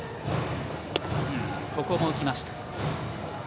ここも浮きました。